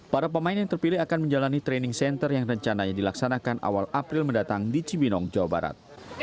para pemain yang terpilih akan menjalani training center yang rencananya dilaksanakan awal april mendatang di cibinong jawa barat